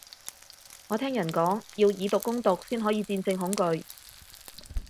我聽人講，要以毒攻毒先可以戰勝恐懼